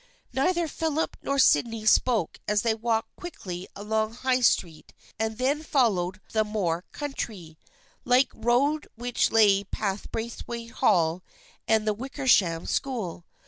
Neither Philip nor Sydney spoke as they walked quickly along High Street and then followed the more country — like road which lay past Braithwaite Hall and the Wickersham School.